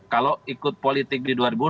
kalau ikut politik di dua ribu empat